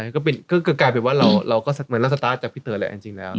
ก็คือกลายเป็นว่าเราก็เหมือนละสตาร์ทจากพี่เต๋อแหละจริงแล้ว